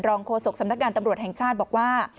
โฆษกสำนักงานตำรวจแห่งชาติบอกว่า